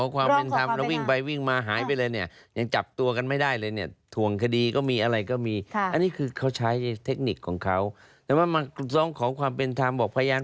ก็มีค่ะอันนี้คือเขาใช้เทคนิคของเขาแล้วมันต้องขอความเป็นธรรมบอกพยายาม